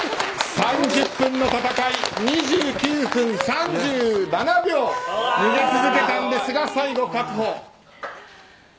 ３０分の戦い２９分３７秒逃げ続けたんですが、最後確保。